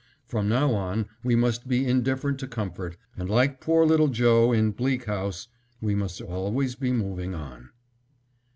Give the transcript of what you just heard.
From now on we must be indifferent to comfort, and like poor little Joe, in "Bleak House" we must always be moving on.